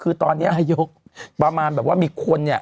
คือตอนนี้นายกุธรประมาณถึงว่ามีคน